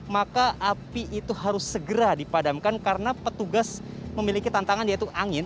maka api itu harus segera dipadamkan karena petugas memiliki tantangan yaitu angin